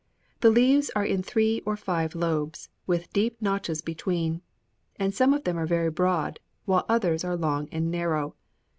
The leaves are in three or five lobes, with deep notches between, and some of them are very broad, while others are long and narrow.